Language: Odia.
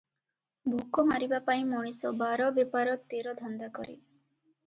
ଭୋକ ମାରିବା ପାଇଁ ମଣିଷ ବାର ବେପାର ତେର ଧନ୍ଦା କରେ ।